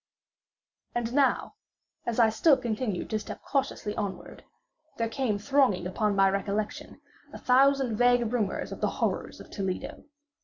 And now, as I still continued to step cautiously onward, there came thronging upon my recollection a thousand vague rumors of the horrors of Toledo.